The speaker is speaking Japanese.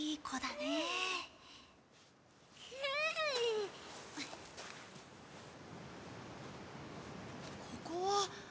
ここは。